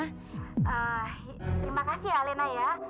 terima kasih alena ya